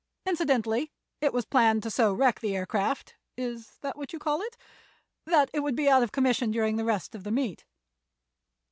Incidentally it was planned to so wreck the aircraft—is that what you call it?—that it would be out of commission during the rest of the meet."